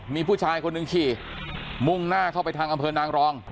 มีผู้ชายคนหนึ่งขี่มุ่งหน้าเข้าไปทางอำเภอนางรอง